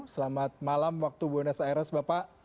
selamat malam waktu buenos aires bapak